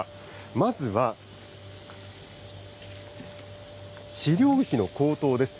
まずは飼料費の高騰です。